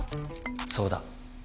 そうだ。